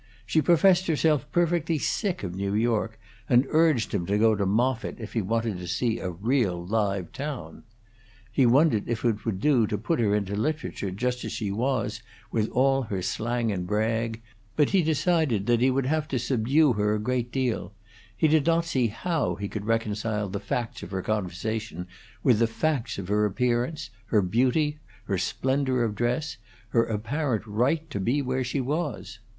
She professed herself perfectly sick of New York, and urged him to go to Moffitt if he wanted to see a real live town. He wondered if it would do to put her into literature just as she was, with all her slang and brag, but he decided that he would have to subdue her a great deal: he did not see how he could reconcile the facts of her conversation with the facts of her appearance: her beauty, her splendor of dress, her apparent right to be where she was.